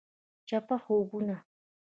چپه خوبونه …